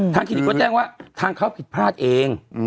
คลินิกก็แจ้งว่าทางเขาผิดพลาดเอง